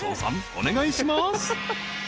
お願いします］